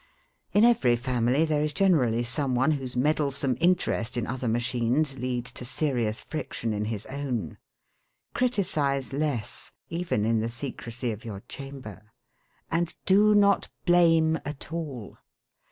In every family there is generally some one whose meddlesome interest in other machines leads to serious friction in his own. Criticise less, even in the secrecy of your chamber. And do not blame at all.